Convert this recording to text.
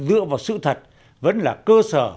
dựa vào sự thật vẫn là cơ sở